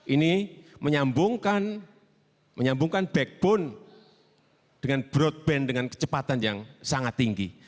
ini menyambungkan backbone dengan broadband dengan kecepatan yang sangat tinggi